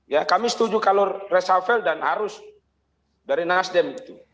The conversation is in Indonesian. ya kami setuju kalau resafel dan arus dari nasdem gitu